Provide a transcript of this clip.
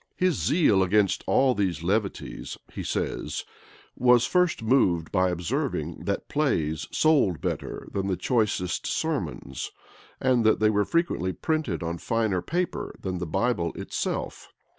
His zeal against all these levities, he says, was first moved by observing that plays sold better than the choicest sermons, and that they were frequently printed on finer paper than the Bible itself.